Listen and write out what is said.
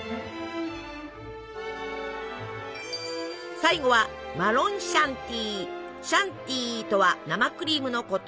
最後は「シャンティイ」とは生クリームのこと。